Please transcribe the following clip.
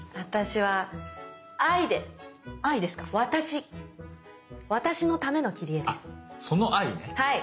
はい。